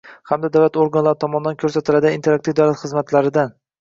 hamda davlat organlari tomonidan ko‘rsatiladigan interaktiv davlat xizmatlaridan